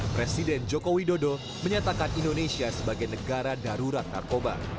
presiden joko widodo menyatakan indonesia sebagai negara darurat narkoba